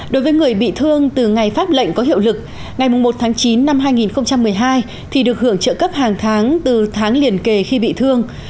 đối với người bị thương từ ngày pháp lệnh có hiệu lực ngày một tháng chín năm hai nghìn một mươi hai thì được hưởng trợ cấp hàng tháng từ tháng liền kề khi bị thương